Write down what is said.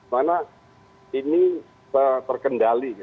karena ini terkendali